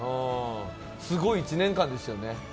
すごい１年間でしたよね。